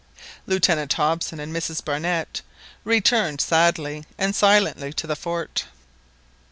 Lieutenant Hobson and Mrs Barnett returned sadly and silently to the fort.